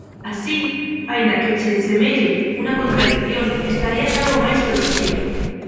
Así, aínda que che semelle unha contradición, estarías algo máis protexido.